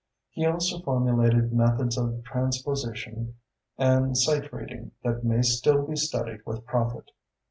He also formulated methods of transposition and sight reading that may still be studied with profit.